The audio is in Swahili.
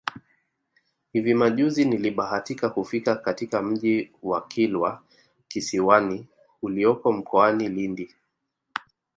Hivi majuzi nilibahatika kufika katika Mji wa Kilwa Kisiwani ulioko mkoani Lindi